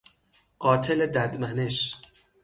قاتل ددمنش